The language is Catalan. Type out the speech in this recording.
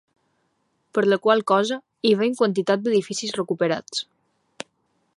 Per la qual cosa, hi veiem quantitat d'edificis recuperats.